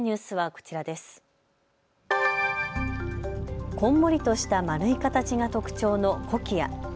こんもりとした丸い形が特徴のコキア。